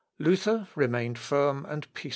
Luther remained firm and peaceful.